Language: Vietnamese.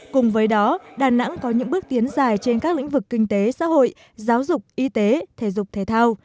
cùng với đó đà nẵng có những bước tiến dài trên các lĩnh vực kinh tế xã hội giáo dục y tế thể dục thể thao